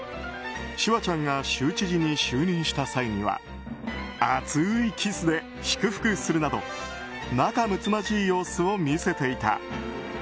シュワちゃんが州知事に就任した際には熱いキスで祝福するなど仲むつまじい様子を見せていた。